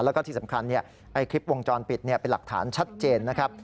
แล้วก็ที่สำคัญคลิปวงจรปิดเป็นหลักฐานชัดเจนนะครับ